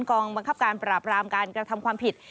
กองบังคับการปราบรามการกระทำความผิด